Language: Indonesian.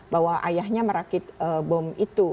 bahwa ayahnya merakit bom itu